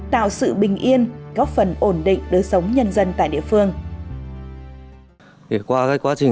tạo sự bình yên góp phần ổn định đối xử